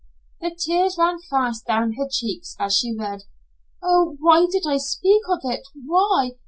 The tears ran fast down her cheeks as she read. "Oh, why did I speak of it why?